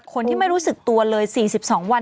คนที่ไม่รู้สึกตัวเลย๔๒วัน